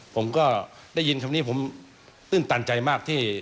ผมก็ได้ยินคำนี้ผมตื้นตันใจมากที่